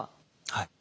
はい。